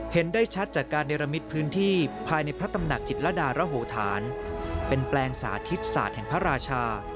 เห็นได้ชัดจากการเนรมิตพื้นที่ภายในพระตำหนักจิตรดารโหธานเป็นแปลงสาธิตศาสตร์แห่งพระราชา